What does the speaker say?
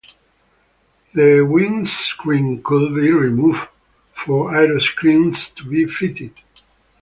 The windscreen could be removed for aeroscreens to be fitted.